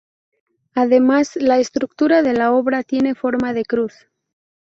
Además, la estructura de la obra tiene forma de cruz.